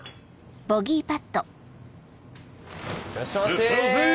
いらっしゃいませ！